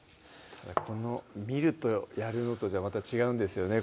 この見るとやるのとじゃまた違うんですよね